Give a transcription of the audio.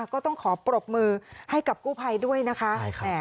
ก็ต้องขอปรบมือให้กับกู้ภัยด้วยนะคะ